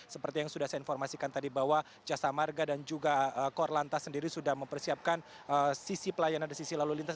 seperti yang sudah saya informasikan tadi bahwa jasa marga dan juga korlantas sendiri sudah mempersiapkan sisi pelayanan dari sisi lalu lintas